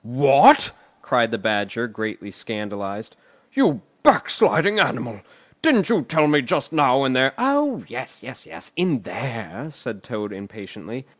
"What?" cried the Badger, greatly scandalised. "You backsliding animal, didn't you tell me just now, in there——" "Oh, yes, yes, in there," said Toad impatiently.